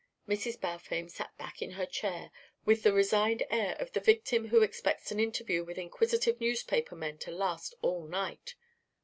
Mrs. Balfame sat back in her chair with the resigned air of the victim who expects an interview with inquisitive newspaper men to last all night.